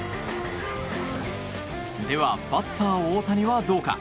ではバッター大谷はどうか。